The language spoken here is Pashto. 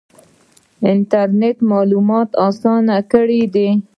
انټرنیټ معلومات اسانه کړي دي